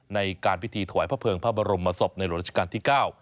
ในการพิธีถอยพระเพลิงพระบรมมสบในรวมราชการที่๙